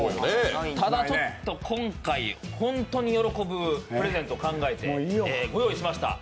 ただ、ちょっと今回、本当に喜ぶプレゼントを用意しました。